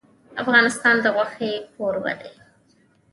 افغانستان د غوښې کوربه دی.